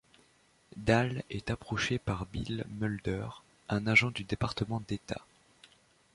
Dales est approché par Bill Mulder, un agent du Département d'État.